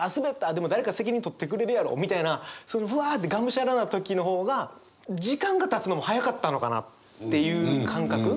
でも誰か責任取ってくれるやろみたいなそのうわってがむしゃらな時の方が時間がたつのも早かったのかなっていう感覚。